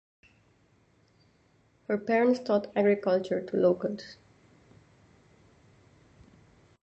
Her parents taught agriculture to locals.